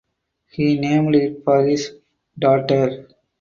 He named it for his daughter.